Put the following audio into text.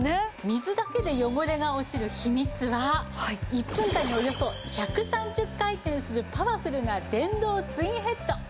水だけで汚れが落ちる秘密は１分間におよそ１３０回転するパワフルな電動ツインヘッドにあります。